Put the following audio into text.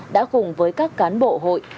đã cùng với các cán bộ hội